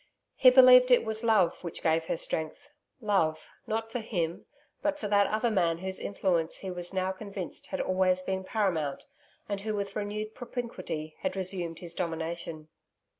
He believed that it was love which gave her strength love, not for him, but for that other man whose influence he was now convinced had always been paramount, and who with renewed propinquity had resumed his domination.